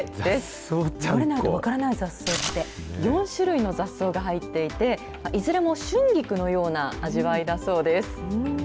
言われないと分からない、４種類の雑草が入っていて、いずれも春菊のような味わいだそうです。